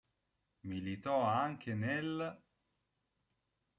Militò anche nell'.